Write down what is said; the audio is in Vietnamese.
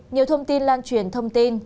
theo thông tin lan truyền thông tin